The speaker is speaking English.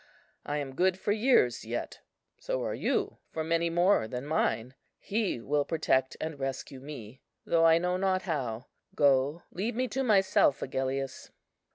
I am good for years yet; so are you, for many more than mine. He will protect and rescue me, though I know not how. Go, leave me to myself, Agellius!"